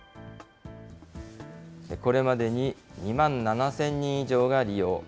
これまでに２万７０００人以上が利用。